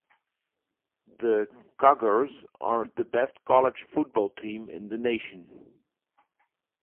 The Cougars are the best college football team in the nation.